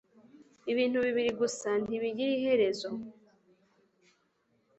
Ibintu bibiri gusa ntibigira iherezo